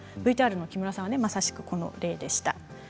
ＶＴＲの木村さんはまさしくこの例でした。